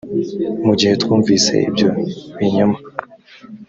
mu gihe twumvise ibyo binyoma